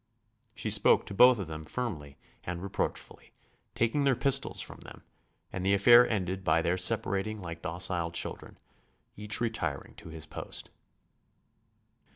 She spoke to both of them firmly and reproachfully, taking their pistols from them, and the affair ended by their separating like docile children, each retiring to his post.